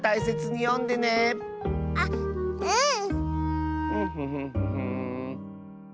あっうん！